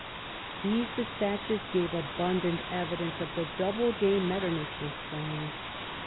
These despatches gave abundant evidence of the double game Metternich was playing.